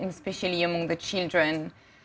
terutama bagi anak anak